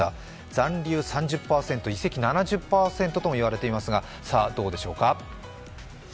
残留３０％、移籍７０％とも言われていますがさあ、どうでしょうか。